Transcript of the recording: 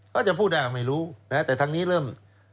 เขาจะพูดได้ว่าไม่รู้แต่ทั้งนี้เริ่ม